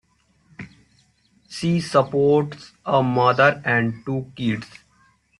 She supports a mother and two kids.